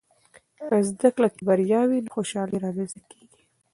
که زده کړه کې بریا وي، نو خوشحالۍ رامنځته کېږي.